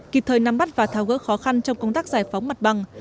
kịp thời nắm bắt và thao gỡ khó khăn trong công tác giải phóng mặt bằng